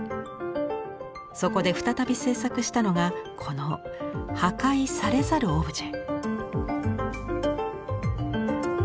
そこで再び制作したのがこの「破壊されざるオブジェ」。